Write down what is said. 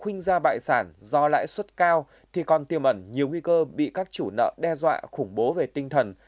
khuynh ra bại sản do lãi suất cao thì còn tiêu mẩn nhiều nguy cơ bị các chủ nợ đe dọa khủng bố về tinh thần